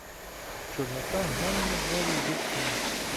Чорнота глянув на двері й зітхнув.